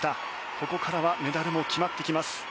ここからはメダルも決まってきます。